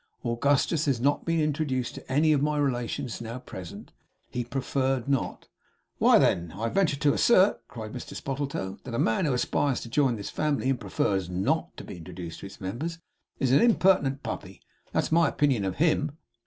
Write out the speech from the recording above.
Augustus has not been introduced to any of my relations now present. He preferred not.' 'Why, then, I venture to assert,' cried Mr Spottletoe, 'that the man who aspires to join this family, and "prefers not" to be introduced to its members, is an impertinent Puppy. That is my opinion of HIM!